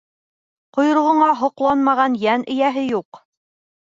Ҡойроғоңа һоҡланмаған йән эйәһе юҡ.